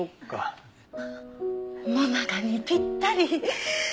最中にぴったり。